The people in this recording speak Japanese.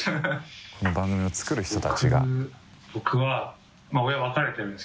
この番組をつくる人たちが。